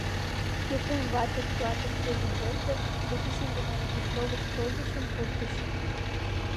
Епрем вате клатыш куржын лекте да писын гына изи шовыч кылдышым пуртыш.